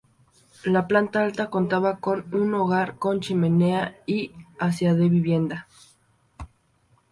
La planta alta contaba con un hogar con chimenea y hacía de vivienda.